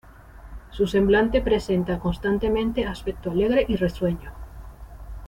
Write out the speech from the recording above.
Su semblante presenta constantemente aspecto alegre y risueño".